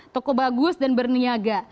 toko bagus dan berniaga